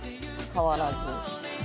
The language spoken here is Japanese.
変わらず。